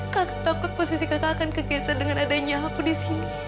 kaget takut posisi kata akan kegeser dengan adanya aku di sini